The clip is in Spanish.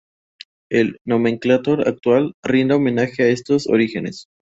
El nomenclátor actual rinde homenaje a estos orígenes.